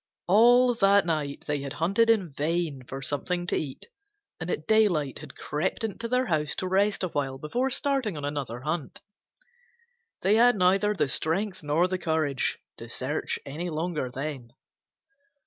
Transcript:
All that night they had hunted in vain for something to eat and at daylight had crept into their house to rest awhile before starting on another hunt. They had neither the strength nor the courage to search any longer then.